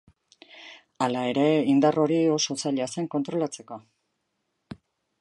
Hala ere indar hori oso zaila zen kontrolatzeko.